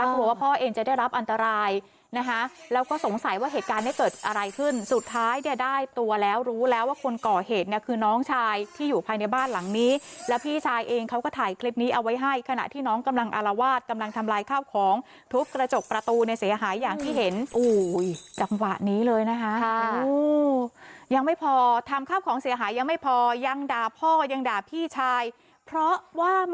เพราะว่าพ่อเองจะได้รับอันตรายนะคะแล้วก็สงสัยว่าเหตุการณ์ได้เกิดอะไรขึ้นสุดท้ายเนี้ยได้ตัวแล้วรู้แล้วว่าคนก่อเหตุเนี้ยคือน้องชายที่อยู่ภายในบ้านหลังนี้แล้วพี่ชายเองเขาก็ถ่ายคลิปนี้เอาไว้ให้ขณะที่น้องกำลังอารวาสกำลังทำลายข้าวของทุกกระจกประตูในเสียหายอย่างที่เห็นอุ้ยจังหวะน